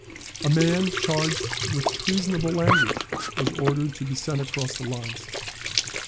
A man, charged with treasonable language, was ordered to be sent across the lines.